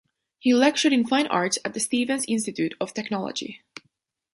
He lectured in Fine Arts at the Stevens Institute of Technology.